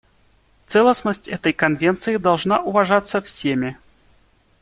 Целостность этой Конвенции должна уважаться всеми.